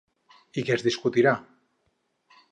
I què es discutirà?